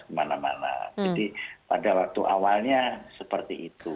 kemana mana jadi pada waktu awalnya seperti itu